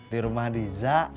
di rumah diza